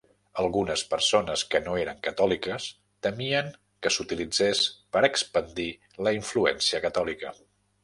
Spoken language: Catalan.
Algunes persones que no eren catòliques temien que s'utilitzés per expandir la influència catòlica.